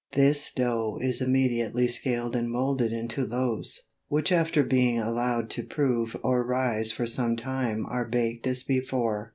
This dough is immediately scaled and moulded into loaves, which after being allowed to prove or rise for some time are baked as before.